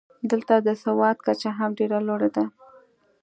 دلته د سواد کچه هم ډېره لوړه ده.